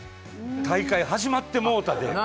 大会始まってもうたで。